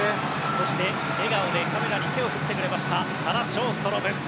そして、笑顔でカメラに手を振ってくれたサラ・ショーストロム。